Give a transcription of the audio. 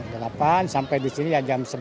jam delapan sampai di sini jam sebelas